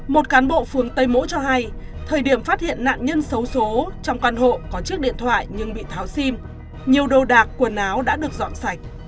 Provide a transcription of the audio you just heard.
một cán bộ phường tây mỗ cho hay thời điểm phát hiện nạn nhân xấu xố trong căn hộ có chiếc điện thoại nhưng bị tháo sim nhiều đồ đạc quần áo đã được dọn sạch